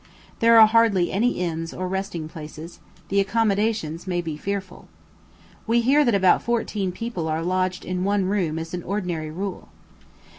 There are hardly any inns or resting places; the accommodation may be fearful. We hear that about fourteen people are lodged in one room as an ordinary rule.